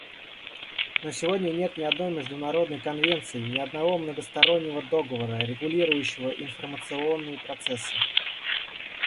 Но сегодня нет ни одной международной конвенции, ни одного многостороннего договора, регулирующего информационные процессы.